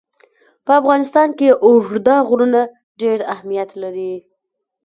په افغانستان کې اوږده غرونه ډېر اهمیت لري.